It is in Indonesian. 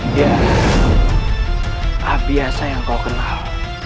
ya abiasa yang kau kenal